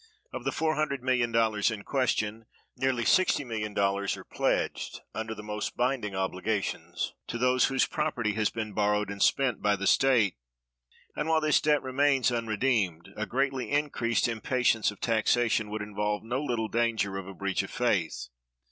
Of the [$400,000,000] in question, nearly [$60,000,000] are pledged, under the most binding obligations, to those whose property has been borrowed and spent by the state; and, while this debt remains unredeemed, a greatly increased impatience of taxation would involve no little danger of a breach of faith.